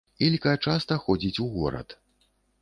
Ілька часта ходзіць у горад.